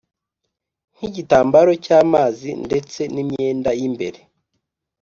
nk’igitambaro cy’amazi ndetse n’imyenda y’imbere